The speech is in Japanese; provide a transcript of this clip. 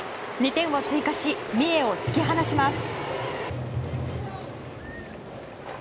２点を追加し三重を突き放します。